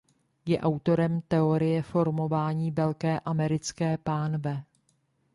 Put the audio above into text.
Je autorem teorie formování Velké americké pánve.